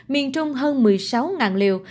miền trung hơn một mươi sáu liều